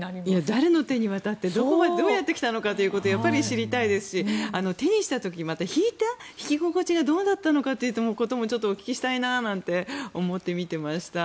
誰の手に渡ってどうやって来たのかということをやっぱり知りたいですし手にした時に弾いた心地がどうだったのかっていうのもちょっとお聞きしたいななんて思って見ていました。